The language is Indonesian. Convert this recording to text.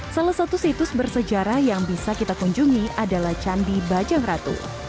salah satu situs bersejarah yang bisa kita kunjungi adalah candi bajang ratu